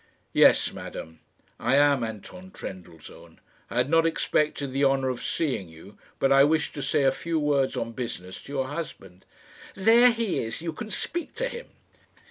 "Yes, madame; I am Anton Trendellsohn. I had not expected the honour of seeing you, but I wish to say a few words on business to your husband." "There he is; you can speak to him."